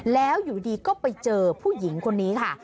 แล้วอยู่ดีก็ไปเจอผู้หญิงคนนี้ค่ะ